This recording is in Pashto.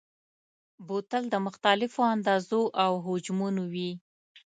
بوتل د مختلفو اندازو او حجمونو وي.